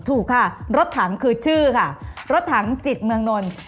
ถูกค่ะรถถังคือชื่อค่ะรถถังจิตเมืองนนท์